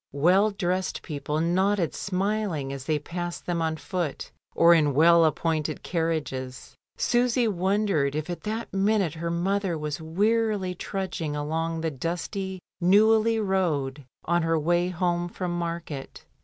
Well dressed people nodded smiling as they passed them on foot or in well appointed carriages. Susy wondered if at that minute her mother was wearily trudging along the dusty Neuilly road on her wiy home from market.